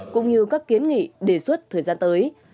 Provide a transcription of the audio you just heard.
cũng như các kiến nghị đề xuất thời gian tới